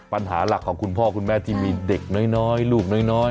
ปัญหาหลักของคุณพ่อคุณแม่ที่มีเด็กน้อยลูกน้อย